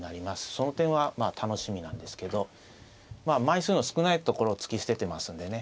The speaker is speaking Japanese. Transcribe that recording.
その点は楽しみなんですけど枚数の少ないところを突き捨ててますんでね